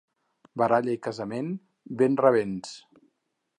Baralla i casament, ben rabents.